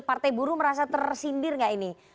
partai buruh merasa tersindir nggak ini